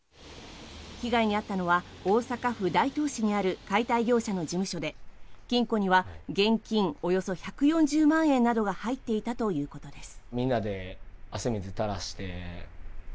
被害に遭ったのは大阪府大東市にある解体業者の事務所で金庫には現金およそ１４０万円などが入っていたということです。